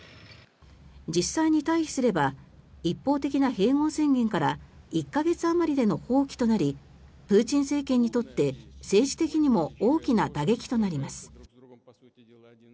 実際に退避すれば一方的な併合宣言から１か月あまりでの放棄となりプーチン政権にとって政治的にも大きな打撃となります。